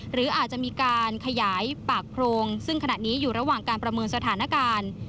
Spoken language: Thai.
หรืออาจจะมีการขยายปากโพรงซึ่งขณะนี้อยู่ระหว่างการประเมินสถานการณ์